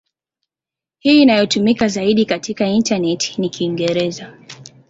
Hii inayotumika zaidi katika intaneti ni Kiingereza.